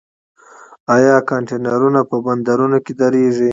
آیا کانټینرونه په بندرونو کې دریږي؟